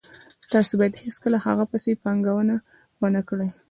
تاسو باید هیڅکله هغه پیسې پانګونه ونه کړئ